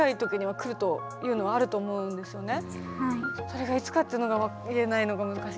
それがいつかっていうのが言えないのが難しい。